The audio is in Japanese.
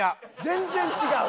全然違う？